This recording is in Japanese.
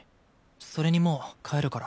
それにもう帰るから。